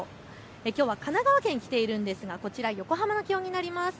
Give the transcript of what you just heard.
きょうは神奈川県に来ているんですが、こちら横浜の気温になります。